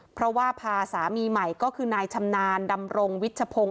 เพราะว่าพาสามีใหม่ก็คือนายชำนาญดำรงวิชพงศ